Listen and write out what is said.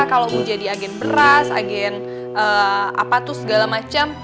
kalau mau jadi agen beras agen apa tuh segala macam